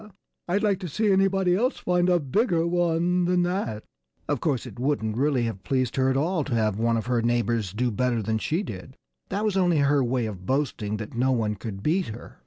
I'd like to see anybody else find a bigger one than that!" Of course, it wouldn't really have pleased her at all to have one of her neighbors do better than she did. That was only her way of boasting that no one could beat her.